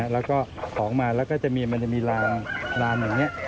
แล้วก็ของมาแล้วก็จะมีมันจะมีลานอย่างนี้